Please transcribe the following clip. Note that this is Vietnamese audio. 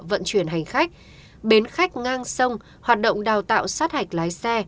vận chuyển hành khách bến khách ngang sông hoạt động đào tạo sát hạch lái xe